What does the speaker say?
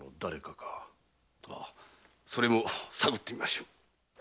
それも探ってみましょう。